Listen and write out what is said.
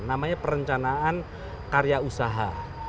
namanya perencanaan karya usaha